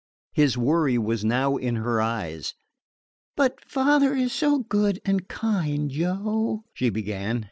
His worry was now in her eyes. "But father is so good and kind, Joe," she began.